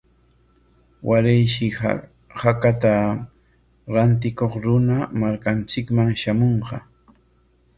Warayshi hakata rantikuq runa markanchikman shamunqa.